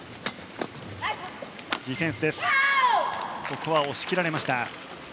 ここは押し切られました。